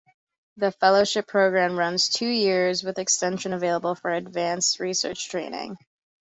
The fellowship program runs two years with extensions available for advanced research training.